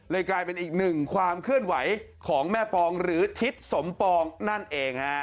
กลายเป็นอีกหนึ่งความเคลื่อนไหวของแม่ปองหรือทิศสมปองนั่นเองฮะ